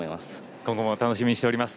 今後も楽しみにしております。